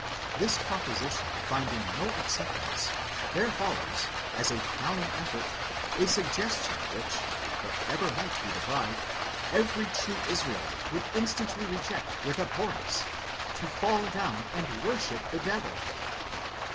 This proposition finding no acceptance, there follows, as a crowning effort, a suggestion which, whatever might be the bribe, every true Israelite would instantly reject with abhorrence—to fall down and worship the devil.